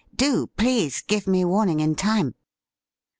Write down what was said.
'' Do, please, give me warning in time.'